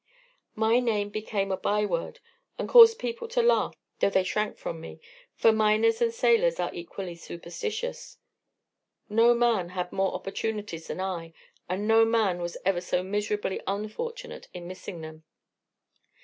"My name became a by word and caused people to laugh, though they shrank from me, for miners and sailors are equally superstitious. No man ever had more opportunities than I, and no man was ever so miserably unfortunate in missing them.